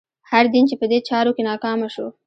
هر دین چې په دې چارو کې ناکامه شو.